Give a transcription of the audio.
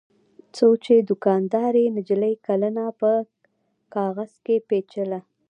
څو چې دوکاندارې نجلۍ کلنه په کاغذ کې پېچله.